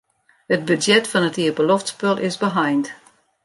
It budzjet fan it iepenloftspul is beheind.